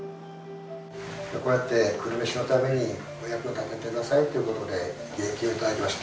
こうやって、久留米市のためにお役に立ててくださいっていうことで、義援金を頂きました。